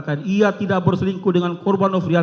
kita harus membuatnya